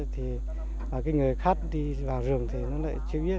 thì cái người khác đi vào rừng thì nó lại chưa biết